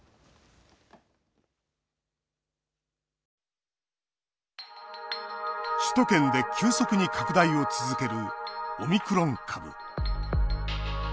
首都圏で急速に拡大を続けるオミクロン株。